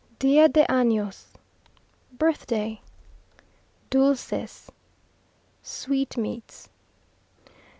día de Anos Birthday. Dulces Sweetmeats.